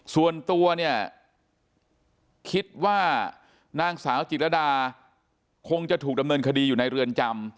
ส่วนตัวเนี่ยคิดว่านางสาวจิตรดาคงจะถูกดำเนินคดีอยู่ในเรือนจำ